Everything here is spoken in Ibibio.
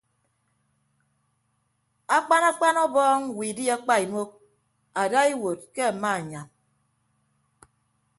Akpan akpan ọbọọñ widdie apaimuk adaiwuod ke amaanyam.